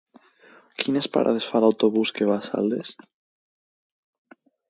Quines parades fa l'autobús que va a Saldes?